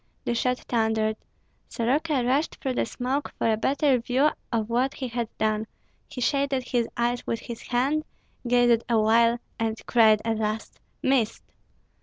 The shot thundered. Soroka rushed through the smoke for a better view of what he had done; he shaded his eyes with his hand, gazed awhile, and cried at last, "Missed!"